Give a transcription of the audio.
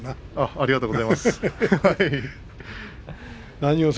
ありがとうございます。